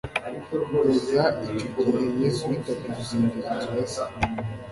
Kugeza icyo gihe Yesu yitaga Urusengero inzu ya Se,